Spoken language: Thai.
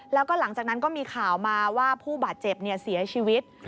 แล้วก็หลังจากนั้นก็มีข่าวมาว่าผู้บาดเจ็บเสียชีวิต